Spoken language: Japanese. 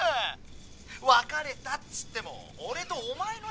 別れたっつっても俺とお前の仲じゃねえか。